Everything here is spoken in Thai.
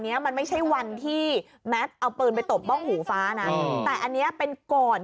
เนี้ยมันไม่ใช่วันที่แมทเอาปืนไปตบบ้องหูฟ้านะแต่อันนี้เป็นก่อน